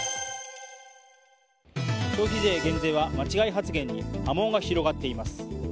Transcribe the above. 消費税減税は間違い発言に波紋が広がっています。